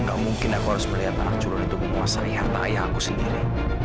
nggak mungkin aku harus melihat anak curah itu menguasai harta ayah aku sendiri